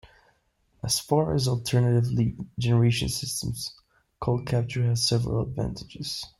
As far as alternative lead generation systems, call capture has several advantages.